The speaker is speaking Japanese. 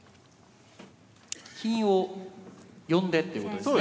金を呼んでっていうことですね。